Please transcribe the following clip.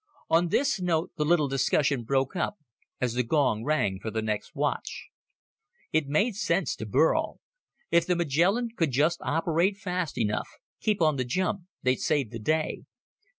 On this note the little discussion broke up as the gong rang for the next watch. It made sense to Burl. If the Magellan could just operate fast enough, keep on the jump, they'd save the day.